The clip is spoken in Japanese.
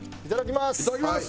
いただきます。